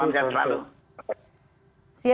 salam sehat selalu